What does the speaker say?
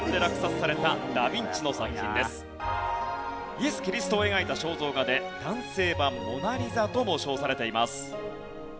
イエス・キリストを描いた肖像画で男性版『モナ・リザ』とも称されています。